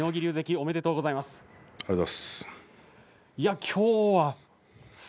おめでとうございます。